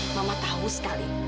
mama tahu sekali